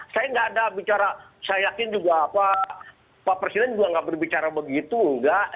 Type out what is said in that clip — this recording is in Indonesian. saya nggak ada bicara saya yakin juga pak presiden juga nggak berbicara begitu enggak